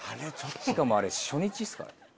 しかもあれ初日っすからね。